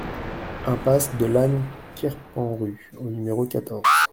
Impasse de Lann Kerpenru au numéro quatorze